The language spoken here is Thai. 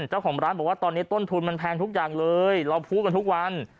เจ้าของร้านบอกว่าตอนนี้ต้นทุนมันแพงทุกอย่างเลยเราพูดกันทุกวัน